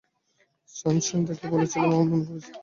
Sunshine দেখলে, বলেছিলাম, আমার মনে পড়েছে।